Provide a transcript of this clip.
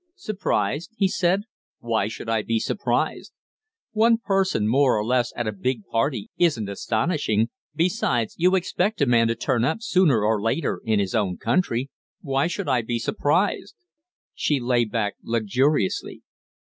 "Surprised?" he said. "Why should I be surprised? One person more or less at a big party isn't astonishing. Besides, you expect a man to turn up sooner or later in his own country. Why should I be surprised?" She lay back luxuriously.